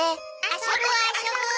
遊ぶ遊ぶ。